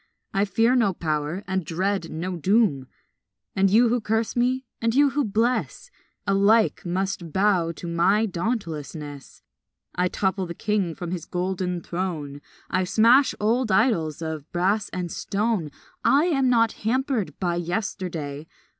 I fear no power and dread no doom; And you who curse me and you who bless Alike must bow to my dauntlessness. I topple the king from his golden throne, I smash old idols of brass and stone, I am not hampered by yesterday.